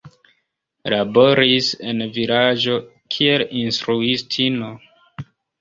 Laboris en vilaĝo kiel instruistino.